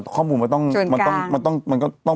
ข้อมูลมันก็ต้อง